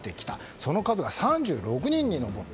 その数が３６人に上った。